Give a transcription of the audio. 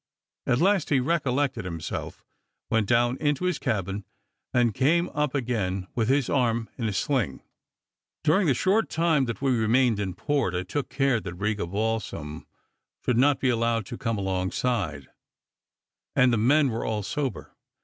At last he recollected himself, went down into his cabin, and came up again with his arm in a sling. During the short time that we remained in port, I took care that Riga balsam should not be allowed to come alongside, and the men were all sober.